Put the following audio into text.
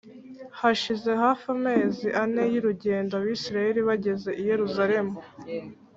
Hashize hafi amezi ane y urugendo abisirayeli bageze i yerusalemu